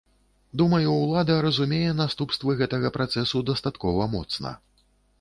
Думаю, ўлада разумее наступствы гэтага працэсу дастаткова моцна.